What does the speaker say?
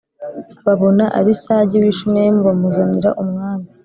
babona Abisagi w’i Shunemu bamuzanira umwami.